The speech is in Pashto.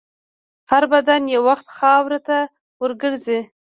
هر بدن یو وخت خاورو ته ورګرځي.